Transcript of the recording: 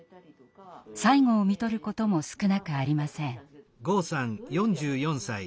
最期を看取ることも少なくありません。